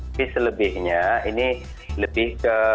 tapi selebihnya ini lebih ke